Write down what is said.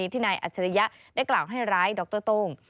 ที่นายอัจฉริยะได้กล่าวให้ร้ายดรโต้ง